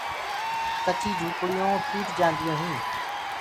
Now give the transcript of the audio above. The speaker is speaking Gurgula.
ڪچيٚ جھوُپڙيونٚ ٽوت جآنديو هينٚ۔